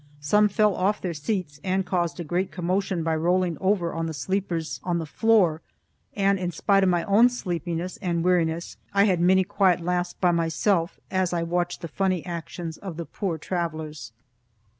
Some fell off their seats and caused a great commotion by rolling over on the sleepers on the floor, and, in spite of my own sleepiness and weariness, I had many quiet laughs by myself as I watched the funny actions of the poor travellers.